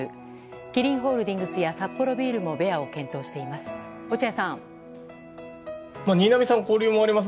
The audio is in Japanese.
キリンホールディングスやサッポロビールもベアを検討しています。